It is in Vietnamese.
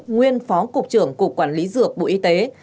nguyên phó cục trưởng cục quản lý dược bộ y tế